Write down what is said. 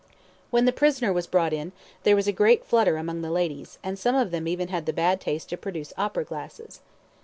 When the prisoner was brought in, there was a great flutter among the ladies, and some of them even had the bad taste to produce opera glasses.